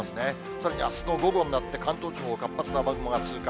さらにあすの午後になって関東地方を活発な雨雲が通過。